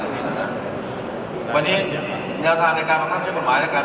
เพราะนี้แนวทางการประทับใช้ความภาคระวะมาย